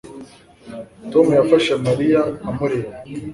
Tom yafashe Mariya amureba